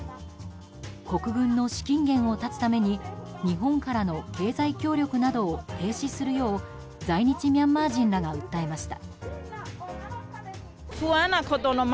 国軍の資金源を断つために日本からの経済協力などを停止するよう在日ミャンマー人らが訴えました。